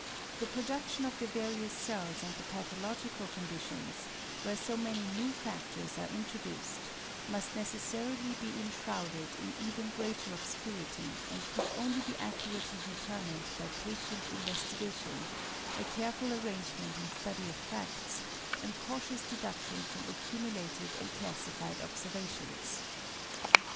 The production of the various cells under pathological conditions, where so many new factors are introduced, must necessarily be enshrouded in even greater obscurity and could only be accurately determined by patient investigation, a careful arrangement and study of facts, and cautious deduction from accumulated and classified observations.